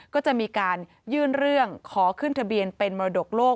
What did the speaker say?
ก็จะมีการยื่นเรื่องขอขึ้นทะเบียนเป็นมรดกโลก